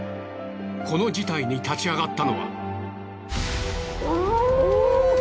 この事態に立ち上がったのは。